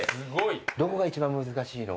どこが一番難しいの？